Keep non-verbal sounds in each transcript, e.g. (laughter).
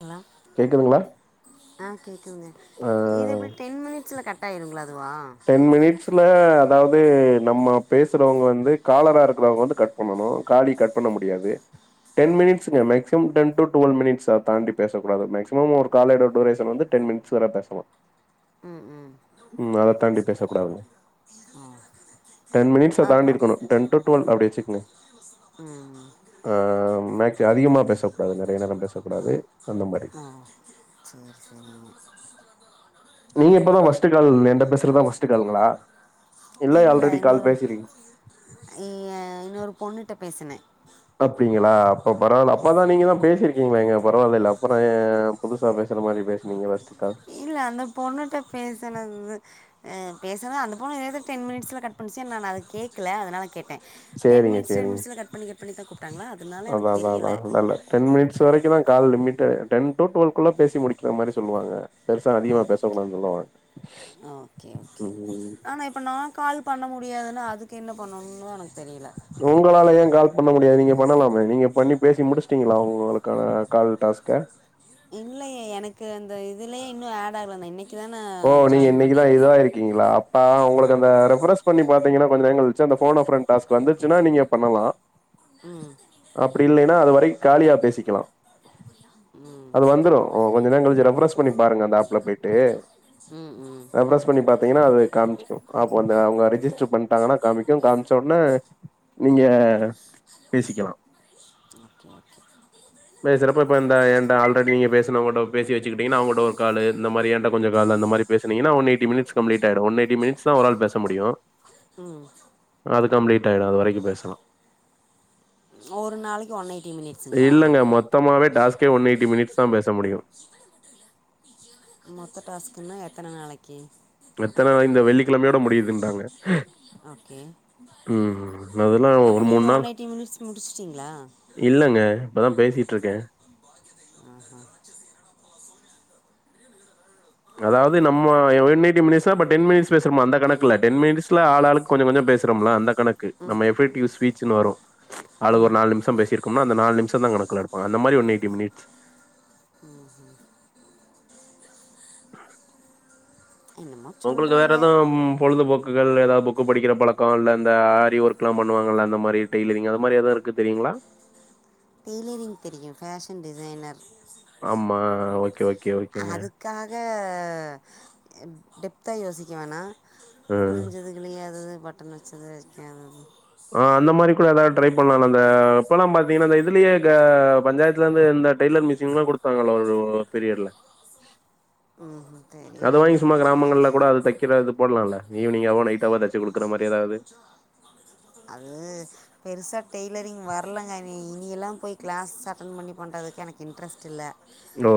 Hello கேக்குதுங்ளா ஆ கேக்குதுங்க ஆ இது எப்டி டென் மினிட்ஸ்ல கட்டாய்டுங்ளா அதுவா டென் மினிட்ஸ்ல அதாவ்து நம்ம பேசுறோங்க வந்து காலராருக்றோங்க வந்து கட் பண்ணனு காலி கட் பண்ண முடியாது டென் மினிட்ஸ்ங்க maximum ten to twelve minutes அத தான்டி பேச கூடாது மேக்சிமம் ஒரு காலோட டியூரேஷன் வந்து டென் மினி ட்ஸ் வர பேசலா ம் ம் ம் அத தான்டி பேசக்கூடாதுங்க ம் டென் மினிட்ஸ்ஸ தான்டி இருக்கனு டென் டூ டுவெல் அப்டி வச்சுக்ங்க ம் மேக்ஸ் அதிகமாக பேசக்கூடாது நெறைய நேர பேசக்கூடாது அந்த மாரி ஆ சேரி சேரி நீங்க இப்பதா ஃபஸ்ட் கால் என்ட்ட பேசுறதா பஸ்ட் கால்ங்களா இல்ல இல்லை அல்ரெடி கால் இன்னொரு பேசியிரு இ எ இன்னொரு பொண்ணுட்ட பேசுனே அப்டிங்களா அப்ப பரவால்ல அப்பதா நீங்க தா பேசிருக் கீங்களேங்க பரவாயில்ல அப்பற ஏ புதுசா பேசுற மாரி பேசுனீங்க ஃபஸ்ட் கால் இல்ல அந்த பொண்ணுட்ட பேசன ம் பேசுன அந்த பொண்ணு ஏதோ டென் மினிட்ஸ்ல கட் பண்ணுச்சு நானு அத கேக்கல அதனாலதா கேட்டே டென் சரிங்க, மினிட்ஸ் டென் சரிங்க. மினிட்ஸ்ல கட் பண்ணி கட் பண்ணிதா கூப்ட்டாங்களா அதனால எனக்கு தெரியல டென் மினிட்ஸ் வரைக்குதா கால் லிமிட் டென் டு டுவெல்குள்ள பேச முடிக்கற மாரி சொல்லுவாங்க பெருசா அதிகமா ஓகே பேசக்கூடாதுன்னு சொல்லுவாங்க ஓகே ஓகே ம். ஆனா இப்போ நா கால் பண்ண முடியாதுல்ல அதுக்கு என்ன பண்ணன்னு எனக்கு தெரியல உங்களால ஏ கால் பண்ண முடியாது நீங்க பண்ணலாமே நீங்க பண்ணி பேசி முடிச்சுட்டீங்களா உங்களுக்கான கால் டாஸ்க்க இல்லயே எனக்கு அந்த இதுலயே இன்னு அட் ஆகல இன்னைக்கு தான ஓ நீங்க ஜாயின் இன்னைக்குதா இது பண்ணியிருக்கே ஆகிருக்கீங்களா அப்ப ஆ உங்களுக்கு அந்த ரெஃபரஸ் பண்ணி பாத்தீங்கன்னா கொஞ்ச நேர கழிச்சு அந்த போன் அ பிரண்ட் டாஸ்க் வந்துச்சுனா நீங்க பண்ணலா ம் அப்டி இல்லைன்னா அதுவரைக் காலியா பேசிக்கலா ம் அது வந்துரு ஓ கொஞ்ச நேர கழிச்சு ரெஃபரஸ் பண்ணி பாருங்க அந்த அப்ல போயிட்டு ம் ம் ரெஃபெரெஸ் பண்ணி பாத்தீங்கன்னா அது காமிக்கு அப்போ அந்த அவுங்க ரிஜிஸ்டர் பண்ணிட்டாங்கன்னா காமிக்கு காமிச்ச ஒடனே நீங்க பேசிக்கலா (unintelligible) (inaudible) பேசுறப்ப இப்ப இந்த எந்த ஆல்ரெடி நீங்க பேசினவங்கட்ட பேசி வச்சுக்கிட்டங்கன்னா அவங்கட்ட ஒரு கால் இந்த மாரி என்ட்ட கொஞ்ச கால் அந்த மாரி பேசுனீங்கன்னா ஒன் எயிட்டி மினிட்ஸ் கம்ப்ளீட் ஆயிடு ஒன் எயிட்டி மினிட்ஸ்தா ஒரு ஆள் பேச முடியு ம் அது கம்ப்ளீட் ஆயிடு அதுவரைக்கு பேசலா ஒரு நாளைக்கு ஒன் எயிட்டி மினிட்ஸுங்களா த்தமாவே டாஸ்கே ஒன் எயிட்டி மினிட்ஸ் தா பேச முடியு மொத்த டாஸ்க்குன்னா எத்தனை நாளைக்கு எத்தன நாளைக்கு இந்த வெள்ளிக்கெழமையோட முடியுதுன்றாங்க ஓகே ம் அதெல்லா அப்ப ஒரு நீங்க மூணு நாள் ஒன் எயிட்டி மினிட்ஸ் முடிச்சுட்டீங்களா இல்லங்க இப்பதா பேசிட்டுருக்கே ஆ ஆ அதாது நம்ம ஒன் எயிட்டி மினிட்ஸ்ல இப்ப டென் மினிட்ஸ் பேசுறோமா அந்த கணக்குல்ல டென் மினிட்ஸ்ல ஆளாளுக்கு கொஞ்ச கொஞ்ச பேசுறோம்ல அந்த கணக்கு ம் நம்ம எஃபெக்ட்டிவ் ஸ்பீச்சுனு வரு அதுல ஒரு ம் நாலு நிமிஷம் பேசியிருக்கோம்னா அந்த நாலு நிமிஷ தா கணக்குல எடுப்பாங்க அந்த மாரி ஒன் எயிட்டி மினிட்ஸ் ம் ம் என்னமோ உங்களுக்கு வேற சொல்றீங்க ஏது பொழுதுபோக்குகள் ஏதாவது புக்கு படிக்கிற பழக்க இல்ல இந்த ஆரி ஒர் குலா பண்ணுவாங்கல்ல அந்த மாரி டெய்லரிங் அத மாரி எதா இருக்க தெரியுங்களா ம் தெரியு ஃபேஷன் டிசைனர் ஆமா ஓகே ஓகே ஓகேங்க. அதுக்காக ம் டெப்தா யோசிக்க வேணா ம். கிழிஞ்சது கிழியாதது பட்டன் வச்சது வைக்காதது ஆ அந்த மாரி கூட ஏதாது ட்ரை பண்ணலால அந்த இப்பலா பாத்தீங்கன்னா அந்த இதுலயே க பஞ்சாயத்துல இருந்து இந்த டய்லர் மெஸ் ஷின்லா குடுத்தாங்கள்ல ஒரு பீரியட்ல ம் தெரியலைங்கே தெர்ல எதாவது போடலால்ல ஈவினிங்காவோ நைட்டாவோ தச்சு குடுக்குற மாரி ஏதாவது அது பெருசா டெய்லரிங் வரலங்க இனி-இனியெல்லா போய் கிளாஸ் அட்டன் பண்ணி பண்றதுக்கு எனக்கு இன்ட்ரெஸ்ட் இல்ல ஓ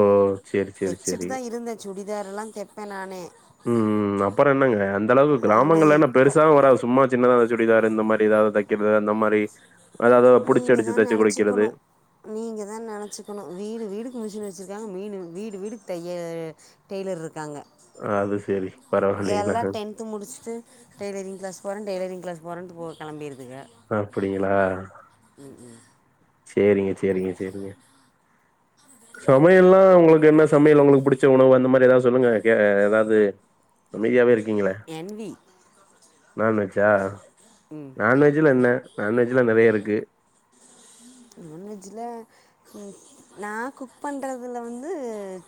சேரி சேரி தெச்சுட்டு சேரி தா இருந்தே சுடிதார்லா தெப்பே நானே ம் ம் அப்புறோ என்னங்க அந்த அளவு ஆனால் கிராமங்கள்ல என்ன இப்போ பெருசாவு வரா சும்மா சின்னதா சுடிதாரு இந்த மாரி எதாவது தைக்கிறது அந்த மாரி அதாவது புடிச்சு அடிச்சு தச்சு கொடிக்கிறது நீங்க தா நெனச்சுக்கணு வீடு வீடுக்கு மிஷின் வச்சுருக்காங்க மீன் வீடு வீடுக்கு தைய டெய்லர் இருக்காங்க அது சரி எல்லா டென்த்து முடிச்சுட்டு டெய்ரிங் கிளாஸ் போறே டெய்லரிங் கிளாஸ் போறேன்ட்டு போ கெளம்பிருதுங்க அப்டிங்களா ம் ம் செரிங்க செரிங்க செரிங்க சமையல்லா உங்களுக்கு என்ன சமையல் உங்களுக்கு புடிச்ச உணவு அந்த மாரி ஏதாவது சொல்லுங்க கே ஏதாவது அமைதியாவே இருக்கீங்கள என் வி நான் வெஜ்ஜா ம் நான் வெஜ்ஜில என்ன நான் வெஜ்ல நெறய இருக்கு நான் வெஜ்ஜில ம் நா குக் பண்றதில வந்து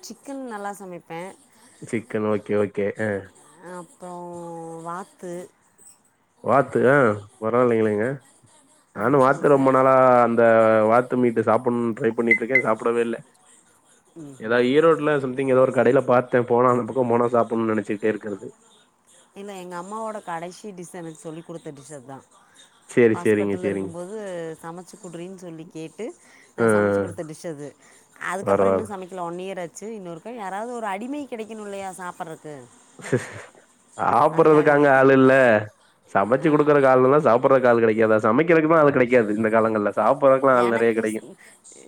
சிக்கன் நல்லா சமைப்பே சிக்கன் ஓகே ஓகே அ அப்றோ வாத்து வாத்து ஆ பரவா இல்லைங்களேங்க அது நானு வாத்து ரொம்ப சமைப்பேன் நாளா அந் த வாத்து மீட்ட சாப்பிட்ணு ட்ரை பண்ணிட்ருக்கே சாப்பிடவே இல்ல ஏதாவது ஈரோட்ல சொல் திங்க ஒரு கடைல பாத்தே போனா அந்த பக்கோ போனா சாப்புட்ணுனு நினைச்சிக்கிட்டே இருக்குறது இல்ல எங்க அம்மாவோட கடைசி டிஸ்ஸு எனக்கு சொல்லி குடுத்த டிஷ் அதா சேரி சேரிங்க ஹாஸ்பிட்டல சேரிங்க. இருக்கும்போது சமச்சி குடுறீன்னு சொல்லி கேட்டு நா ஆ சமச்சு குடுத்த டிஷ் அது ஆ அதுக்கப்புறோ பரவால்ல. இன்னு சமைக் கல ஒன் இயர் ஆச்சு இன்னொருக்க யாராது ஒரு அடிமை கிடைக்கணு இல்லையா சாப்பிறக்கு சாப்பிறதுக்காங்க வெயிட்டிங் ஆள் இல்ல சமச்சு ஆ குடுக்குறக்கு ஆள் இருந்தா சாப் பிறக்கு ஆள் கெடைக்காதா சமைக்கிறதுக்கு தா ஆள் கெடைக்காது இந்த காலங்கள்ல சாப்பிறக்குலா ஆள் நெறயா கெடைக்கு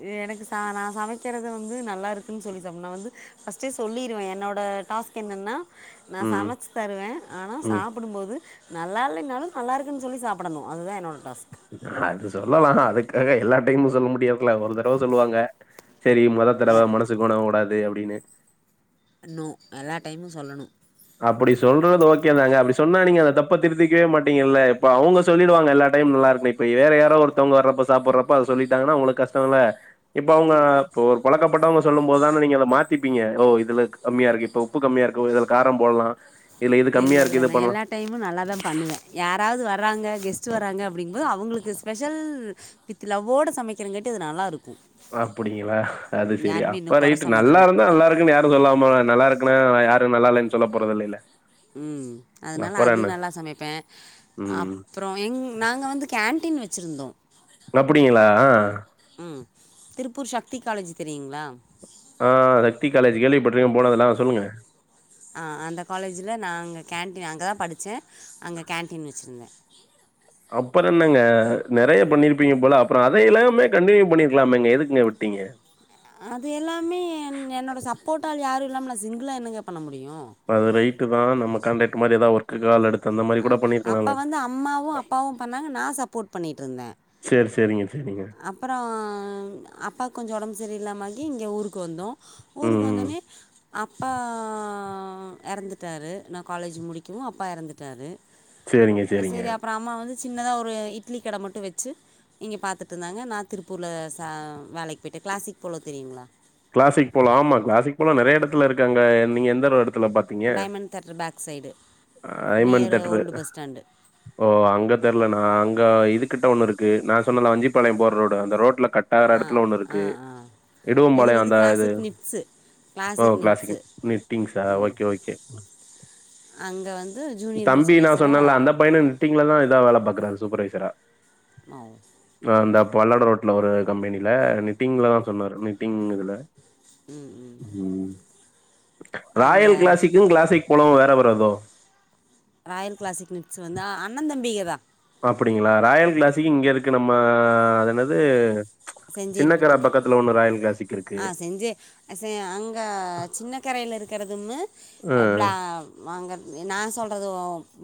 ஏ எனக்கு சா நா சமைக்கிறத வந்து நல்லா இருக்குன் சொல்லி சாப்டுணு நா வந்து பஸ்ட்டே சொல்லிருவே என்னோட டாஸ் க் என்னன்னா நா ம். சமைச்சு தருவே ஆனா ம். சாப் பிடும் போது நல்லா இல்லைனாலு நல்லா இருக்குன்னு சொல்லி சாப்பிடணு அதுதா என்னோட டாஸ்க் அது சொல்லலா அதுக்காக எல்லா டைமு சொல்ல முடியாதுல ஒரு தடவ சொல்லுவாங்க சரி மொத தடவ எல் மனசு கோணகூடாது அப்டின்னு நோ எல்லா டைமு சொல்லணு அப்டி சொல்றது ஓகே தாங்க அப்டி சொன்னா நீங்க அந்த தப்ப திருத்திக்கவே மாட்டீங்கல்ல இப்ப அவங்க சொல்லிடுவாங்க எல்லா டைம் நல்லா இருக்குனு இப்ப வேற யாரோ ஒருத்தவங்க வர்றப்ப சாப்பிறப்போ அத சொல்லிட்டாங்கன்னா உங்களுக்கு கஷ்டோ இல்ல இப்ப அவுங்க இல்ல இப்போ ஒரு பழக்கப்பட்டவங்க சொல்லு போதுதான நீங்க அத மாத்திப்பங்க ஓ இதுல கம்மியா இருக்கு இப்ப உப்பு கம்மியா இருக்கு இதுல காரம்போடலா இல்ல இல்ல நா எல்லா டைமு நல்லா தா பண்ணுவே யாராவது வர்ராங்க கெஸ்ட் வாரங்க அப்டிங்கபோது அவங்களுக்கு ஸ்பெஷல் வித் லவ்வோட சமைக்கிறங்காட்டி அது நல்லா இருக்கு அப்படிங்களா அது செரி அப்ப கொற ரைட்டு நல்லா சொன்னதில்ல இருந்தா நல்லா இருக்குன்னு யாரு சொல்லாமல் நல்லா இருக்குன்னா யாரு நல்லா இல்லைன்னு சொல்ல போறதில்லைல ம் அதுனால அது நல்லா சமைப்பே அப் ம். அப்றோ எங் நாங்க வந்து கேன்டீன் வச்சுருந்தோ அப்புடிங்களா அ ம் திருப்பூர் சக்தி காலேஜ் தெரியுங்களா ஆ சக்தி காலேஜ் கேள்விப்பட்டிருக்கே போனதில்ல அ சொல்லுங்க ஆ அந்த காலேஜில நா அங்கே கேண்டடீன் அங்க தா படிச்சே அங்க கேண்டடீன் வச்சுருந்தே அப்பறோ என்னங்க நெறைய பண்ணிருப்பீங்க போல அப்பறோ அதைய எல்லாமே கண்டினியூ பண்ணிருக்கலாம்மேங்க எதுக்குங்க விட்டீங்க அது எல்லாமே என் என்னோட சப்போர்ட் ஆல் யாரு இல்லாம நா சிங்கிளா என்னங்க பண்ண முடியு அது ரைட்டு தா நம்ம காண்டாக்ட் மாரி ஏதாவதது ஒர்க் கால் (unintelligible) அடுத் அந்த மாரி ஆ கூட அப்போ பண்ணியிருக்கலாம்ல. வந்து அம்மாவு அப்பாவு பண்ணாங்க நா சப்போர்ட் பண்ணிட்டு இருந்தே செரி செரிங்க செரிங்க அப்பறோ அப்பாக்கு கொஞ்சோ ஒடம்பு சரி இல்லாம ஆகி இங்க ஊருக்கு வந்தோ ம், ஊருக்கு ம். வந்தோனே அப்பா எறந்துட்டாரு நா காலேஜ் முடிக்கும்வு அப்பா எறந்துட்டாரு சரிங்க, சரிங்க. செரி அப்றோ அம்மா வந்து சின்னதா ஒரு இட்லி கட மட்டு வச்சு இங்க பாத்துட்டு இருந்தாங்க நா திருப்பூர்ல ச வேலைக்கு போயிட்டே கிளாசிக் போலோ தெரியுங்களா கிளாசிக் போலோ ஆமா கிளாசிக் போலோ நெறைய எடத்துல இருக்கு அங்க நீங்க எந்த ஒரு எடத்துல பாத் டைமண்ட் தேட்டர் பேக் சைடு ஐமன் near theatre. Old bus stand ஓ அங்க தெர்ல நா அங்க இதுக்கிட்ட ஒண்ணு இருக்கு நா சொன்னல வஞ்சிப்பாளயோ போற ரோடு அந்த ரோட்ல கட் வேற ஆ எடத்துல ஒண்ணு ஆ இருக்கு ஆ இது இடுவம்பாளயோ வந்து காது கிளாசிக் நிட்ஸு ஓ கிளாசிக் நிக்டிங்ஸ் ஆ ஓகே ஓகே அங்க வந்து ஜூனியர் மிர்ச்சன்னைசரா ல்ல அந்த பையனு நிப்டீங்கள தா இதா வேல பாக்குறா சூப்பர்வைசரா ஆ அ இந்த பல்லடம் ரோட்டல ஒரு கம்பெனியில நிட்டிங்ல தா சொன்னாரு நிட்டிங் இதுல ம் ம் ம் ராயல் கிளாசிக்கு கிளாஸிக் போலோவு வேற வேற தோ ராயல் கிளாசிக் நிக்ஸ் வந்து அண்ணந்தம்பிகதா அப்டிங்களா ராயல் கிளாஸிக்கு இங்க இருக்கு நம்ம அதென்னது சின்ன கர பக்கத்துல ஒண்ணு ராயல் கிளாசிக் இருக்கு நெஞ்சே அங்க சின்ன கரையில இருக்கிறது ஒன்னு ஆ ப்ளா வாங்க நா சொல்றது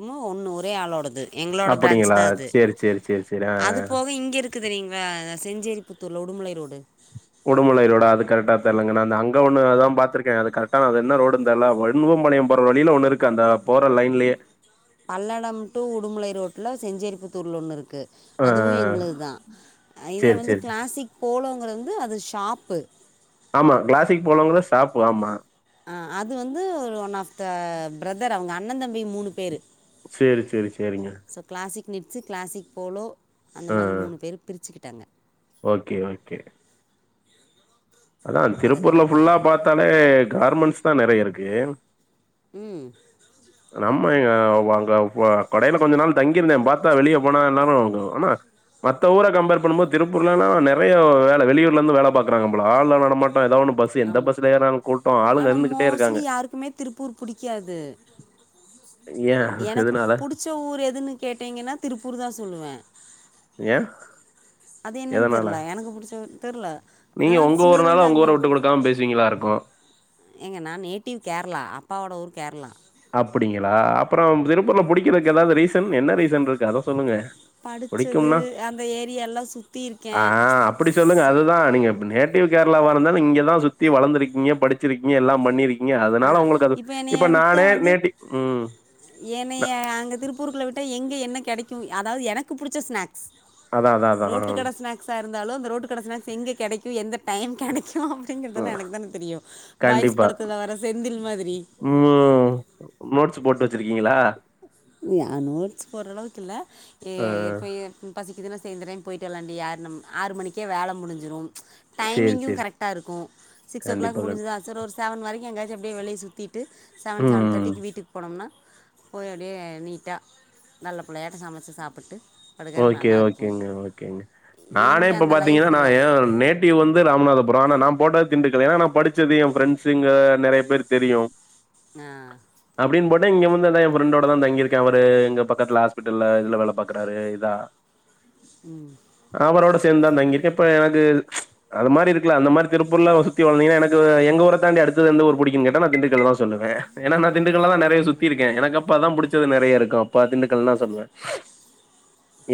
ம் ஒன்னு ஒரே ஆளோடது எங்களோட பிரான்ச் அப்டிங்களா தா அது சேரி சேரி சேரி சேரி ஆ அது போக இங்க இருக் குது தெரியுங்களா செஞ்சேரி புத்தூர்ல உடுமலை ரோடு உடுமுலை ரோடா அது கரெக்டா தெர்லங்க நா அங்க ஒன்னு அதா பாத்திருக்கே அது கரக்டா அது என்ன ரோடு தலா வண்ணுவம் பாளையம் போற வழியில ஒண்ணு இருக்கு அந்த போற லைன்லயே பல்லடம் டு உடுமுலை ரோட்ல செஞ்சேரிப்புத்தூர்ல ஒன்னு இருக்கு ஆ அதுவூ எங்களது தா இதே சேரி வந்து சேரி சேரி கிளாசிக் போலோங்கிறது வந்து அது ஷாப்பு ஆம்மா க்கிளாசிக் போலோங்கறது ஷாப்பு ஆம்மா ஆ அது வந்து ஒரு one of the a brother அவ்ங்க அண்ணன் தம்பி மூனு பேரு சேரி சேரி சேரிங்க so Classic Knits Classic Polo அந்த மாரி மூணு பேரு பிரிச்சுக்கிட்டாங்க ஓக்கே ஓக்கே அதா அதில் திருப்பூர்ல ஒருத்தவங்க ஃபுல்லா பாத்தாலே கார்மெண்ட்ஸ் தா நெறயா இருக்கு ம் நம்ம எங்க அவா அங்க ப கொடையில கொஞ்ச நாள் தங்கியிருந்தே பார்த்தா வெளியே போனா எல்லாரோ ஆனா மத்த ஊர கம்பேர் பண்ணும்போது திருப்பர்ல்லா நெறயா வேல வெளியூர்ல இருந்து வேல பாக்குறாங்க போல ஆள் நடமாட்டம் எதாவ்ன்னு பஸ் சி எந்த ஆமாம் பஸ்ல யேறுனாலூ கூட்டோ ஆளுங்க ஆனால் இருந்துகிட்டே இருக்காங்க மோஸ்ட்லி யாருக்குமே திருப்பூர் புடிக்காது ஏன்? எனக்கு எதுனால? புடிச்ச ஊர் எதுன்னு கேட்டீங்கன்னா திருப்பூரு தா சொல்லுவே ஏன்? அது என்னன்னு எதனால? தெரில்ல எனக்கு புடிச்ச ‌ஊர் தெர்ல்ல நீங்க ஒங்க ஊருன்னால உங்க ஊர வுட்டு குடுக்காம பேசுவீங்களா இருக்கூ ஏங்க நா நேட்டிவ் கேரளா அப்பாவோட ஊரு கேரளா அப்பிடிங்களா அப்புறோ திருப்பூர்ல புடிக்கிறதுக்கு எதாது ரீசன் என்ன ரீசன் இருக்கு அத சொல்லுங்க. படிச்சது புடிக்கும்னா அந்த ஏரியல்லா சுத்தி இருக்கே அப்பிடி சொல்லுங்க அதுதா நீங்க எப் நேட்டிவ் கேரளாவா இருந்தாலும் இங்கதா சுத்தி வளந்திருக்கீங்க படிச்சிருக்கீங்க எல்லாம் பண்ணிருக் இங்க ஆ அதனால உங்களுக்கு அது இப்போ இப்ப நானே நேட்டி ம் ந என்னய அங்க திருப்பூருக்குள்ள விட்டா எங்க என்ன கெடைக்கூ அதாவது எனக்கு புடிச்ச ஸ்நாக்ஸ் அதான், அதான், ரோட்டு அதான். கட ஸ்நாக்ஸ்ஸா இருந்தாலும் அந்த ரோட்டு கட ஸ்நேக்ஸ் எங்கே கிடைக்கூ எந்த டைம் கெடைக் கும் அப்பிடிங்கறதெல்லா ம். எனக்கு தா தெரியூ பாய்ஸ் கண்டிப்பா. படத்துல வர்ற செந்தில் மாதிரி ம் நோட்ஸ் போட்டு வச்சிருக்கீங்களா ஆ நோட்ஸ் போட்ற அளவுக்கு இல்ல ஏ ஆ. எப்போ எப் பசிக்குதுன்னா சேரி இந்த டைம் போயிட்டு வல்லாண்டி யாறு நம் ஆறு மணிக்கே வேல முடிஞ்சிரும் சரி, டைமிங்கூ சரி. கரெக்டா இருக்கூ சிக்ஸ் ஓ கிளாக் கண்டிப்பா, கண் முடிஞ்சுதா சே ஒரு செவன் வரைக்கூ எங்கயாச்சு அப்பிடியே வெளிய சுத்திட்டு செவன் செவன் ம். தேர்டிக்கு வீட்டுக்கு போனோம்னா போயி அப்பிடியே நீட்டா நல்ல புள்ளையாட்ட சமைச்சி சாப்புட்டு ஓகே ஓக்கேங்க ஓக்கேங்க நானே இங்கே இப்ப அந்த பார்த்தீங்ன்னா லைஃப் நா இல்லை ஏ நேட் டிவ் வந்து ராமநாதபுரோ ஆனா நா போட்டத் திண்டுக்கல் ஏன்னா நா படிச்சது என் ஃப்ரெண்ட்ஸுங்க நெறயா பேர் தெரியூ ஆ அப்பிடின்னு போட்டு இங்க வந்து இந்தா என் ஃப்ரண்டோட தா தங்கிருக்கே அவரு எங்க பக்கத்துல ஹாஸ்பிட்டல்ல இதுல வேல பாக்குறாரு இதா ம் அவரோட சேர்ந் தா தங்கி இருக்கே இப்ப எனக்கு அதுமாரி இருக்குலா அந்த மாரித் திருப்பூர்ல ஒர் சுத் தி வந்தீங்கன்னா எனக்கு எங்க ஊர தாண்டி அடுத்து எந்த ஊரு புடிக்குன்னு கேட்டா நா திண்டுக்கல்ல தா சொல்லுவே ஏன்னா நா திண்டுக்கல்ல தா நெறயா சுத் தி இருக்கே எனக்கு அப்ப தா புடிச்சது நெறயா இருக்கூ அப்ப அ திண்டுக்கல் தா சொல்லுவே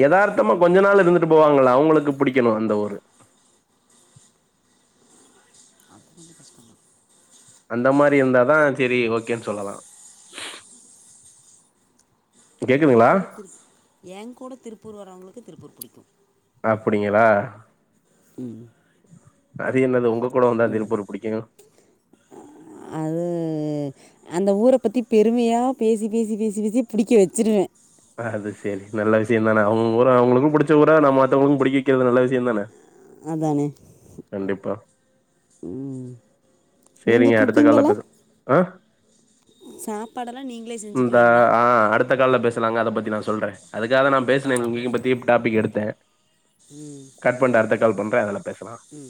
எதார்த்தமா கொஞ்ச நாள் இருந்துட்டு போவாங்களே அவ்ங்களுக்கு புடிக்கணோ அந்த ஊரு (unintelligible) கஷ்டமா அந்த மாரி இருந்தாதா செரி ஓக்கேன்னு சொல்லலா எங் கேக்குதுங்களா கூட திருப் யெங் கூட திருப்பூர் வர்ரவங்களுக்கு திருப்பூர் புடிக்கும் அப்பிடிங்களா ம் அது என்னது உங்க கூட வந்தா திருப்பூரு புடிக்கூ ஆ அது அந்த ஊரப் பத்தி பெருமையா பேசி பேசி பேசி பேசி புடிக்க வச்சுருவே அது சேரி நல்ல விஷயந்தான அவங்க ஊர அவங்களுக்கு புடிச்ச ஊரா நம்ம மத்தவங்க்கு புடிக்க வக்கிறது நல்ல விஷயந்தான அதானே ம் நீங்க சரிங்க அடுத்த கால்ல குக்கிங்கெல்லா பேச ஆ சாப்பாடெல்லா நீங்க இந்த அ அடுத்த கால்ல பேசலாங்க அத பத்தி நா சொல்ற அதுக்காக நா பேஸ்ன இன்னிக்கு பத்தி டாபிக் எடுத்தே கட் பண்ட்டு அடுத்த கால் பண்ற அதுல பேஸலா ம்